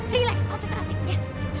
relax konsentrasi ya